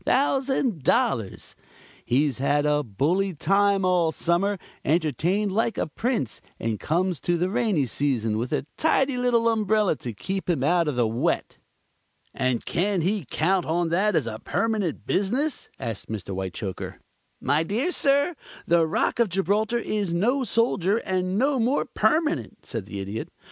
He's had a bully time all summer, entertained like a Prince, and comes to the rainy season with a tidy little umbrella to keep him out of the wet." "And can he count on that as a permanent business?" asked Mr. Whitechoker. "My dear sir, the Rock of Gibraltar is no solider and no more permanent," said the Idiot.